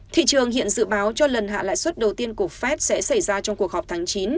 thị trường hiện dự báo cho lần hạ lãi suất đầu tiên của fed sẽ xảy ra trong cuộc họp tháng chín